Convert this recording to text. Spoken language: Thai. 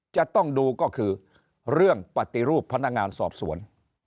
จะต้องดูก็คือเรื่องปฏิรูปพนักงานสอบสวน